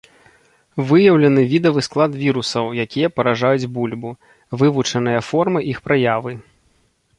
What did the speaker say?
Выяўлены відавы склад вірусаў, якія паражаюць бульбу, вывучаныя формы іх праявы.